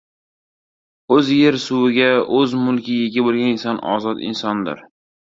O‘z yer-suviga, o‘z mulkiga ega bo‘lgan inson — ozod insondir.